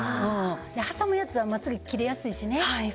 挟むやつはまつ毛切れやすいしね。